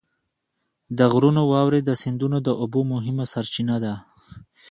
د غرونو واورې د سیندونو د اوبو مهمه سرچینه ده.